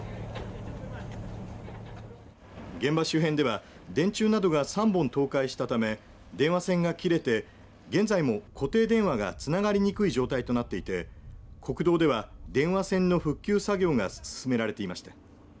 現場周辺では電柱などが３本倒壊したため電話線が切れて現在も固定電話がつながりにくい状態となっていて国道では電話線の復旧作業が進められていました。